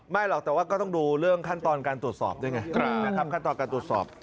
หรอกแต่ว่าก็ต้องดูเรื่องขั้นตอนการตรวจสอบด้วยไงนะครับขั้นตอนการตรวจสอบ